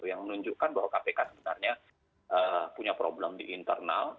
yang menunjukkan bahwa kpk sebenarnya punya problem di internal